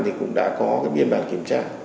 thì cũng đã có cái biên bản kiểm tra